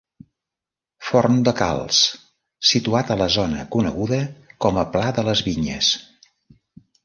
Forn de calç situat a la zona coneguda com a Pla de les Vinyes.